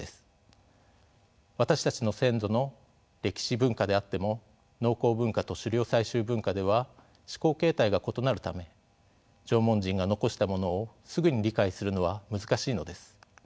私たちの先祖の歴史文化であっても農耕文化と狩猟採集文化では思考形態が異なるため縄文人が残したものをすぐに理解するのは難しいのです。